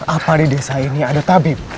apa di desa ini ada tabib